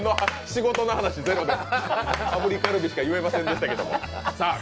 仕事の話ゼロで、炙りカルビしか言えませんでしたけど。